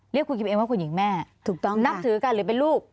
เรียกคุณกิมเองว่าคุณหญิงแม่ถูกต้องนับถือกันหรือเป็นลูก